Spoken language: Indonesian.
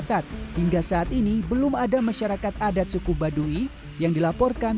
kabupaten lebak mencatat hingga saat ini belum ada masyarakat adat suku baduy yang dilaporkan